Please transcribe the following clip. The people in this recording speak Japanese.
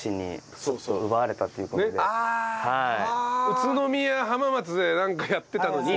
宇都宮浜松でやってたのに。